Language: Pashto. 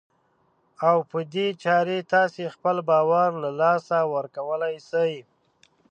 او په دې چارې تاسې خپل باور له لاسه ورکولای شئ.